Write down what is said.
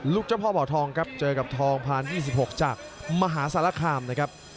เจ้าพ่อบ่อทองครับเจอกับทองพาน๒๖จากมหาสารคามนะครับ